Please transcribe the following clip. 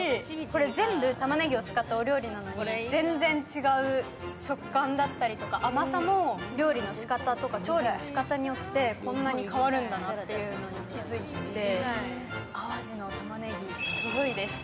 これ全部、たまねぎを使ったお料理なのに全然違う食感だったり甘さも料理の仕方とか調理の仕方によってこんなに変わるんだなというのに気付いて。